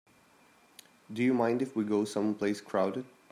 Do you mind if we go someplace crowded?